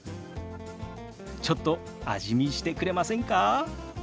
ちょっと味見してくれませんか？